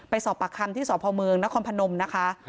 ไปสอบปากคำที่สอบพระมึงนครพนมนะคะ